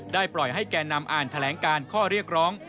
ปล่อยให้แก่นำอ่านแถลงการข้อเรียกร้อง